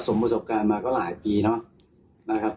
ประสบการณ์มาก็หลายปีเนาะนะครับ